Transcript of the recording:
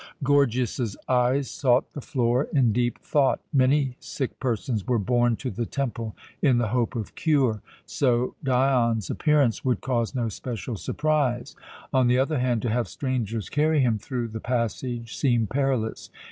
Gorgias's eyes sought the floor in deep thought. Many sick persons were borne to the temple in the hope of cure; so Dion's appearance would cause no special surprise. On the other hand, to have strangers carry him through the passage seemed perilous.